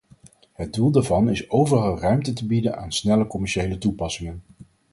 Het doel daarvan is overal ruimte te bieden aan snelle commerciële toepassingen.